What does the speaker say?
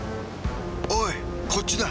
おいこっちだ。